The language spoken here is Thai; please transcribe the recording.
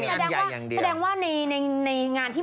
แสดงว่าในงานที่เมืองคานเนี่ย